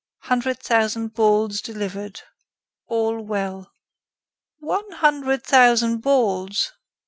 Hundred thousand balls delivered. All well." "One hundred thousand balls?"